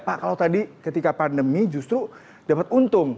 pak kalau tadi ketika pandemi justru dapat untung